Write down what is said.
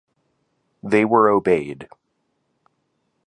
They were obeyed.